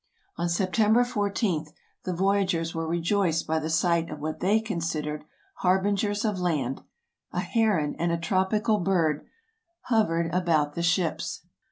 On September 14, the voyagers were rejoiced by the sight of what they considered harbingers of land. A heron and a tropical bird hovered about the ships.